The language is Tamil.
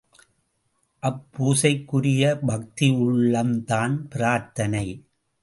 அப்பூசைக்குரிய பக்தியுள்ளம்தான் பிரார்த்தனை!